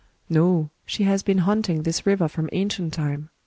" No ; she has been haunting this river from ancient time.